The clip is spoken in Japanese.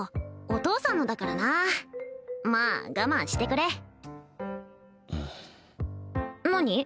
お父さんのだからなまあ我慢してくれ何？